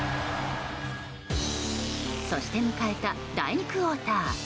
そして迎えた第２クオーター。